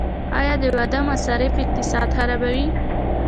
آیا د واده مصارف اقتصاد خرابوي؟